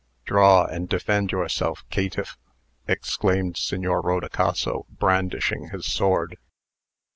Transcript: "Draw and defend yourself, caitiff!" exclaimed Signor Rodicaso, brandishing his sword.